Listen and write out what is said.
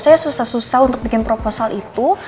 saya susah susah untuk bikin proposal itu